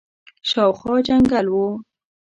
شاوخوا جنګل وو.